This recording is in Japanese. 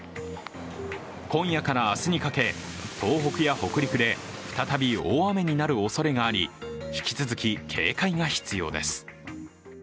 今夜から明日にかけ、東北や北陸で再び大雨になるおそれがあり、引き続き警戒が必要です。